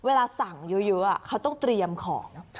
เวลาสั่งเยอะเขาต้องเตรียมของ